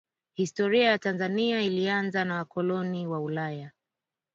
Historia ya Tanzania ilianza na wakoloni wa Ulaya